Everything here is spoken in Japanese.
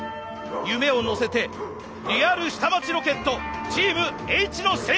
夢を乗せてリアル「下町ロケット」チームＨ野製作所！